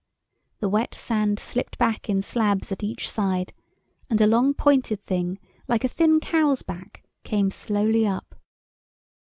The wet sand slipped back in slabs at each side, and a long pointed thing like a thin cow's back came slowly up.